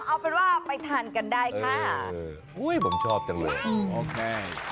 เอาเป็นว่าไปทานกันได้ค่ะอุ้ยผมชอบจังเลยหอมแห้ง